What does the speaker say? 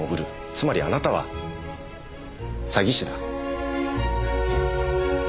つまりあなたは詐欺師だ。